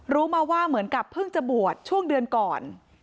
รู้มาว่าเหมือนกับเพิ่งจะบวชช่วงเดือนก่อน